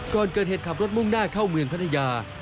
ก่อนเกิดเหตุขับรถมุ่งหน้าเข้าเมืองพัทยา